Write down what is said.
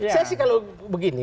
saya sih kalau begini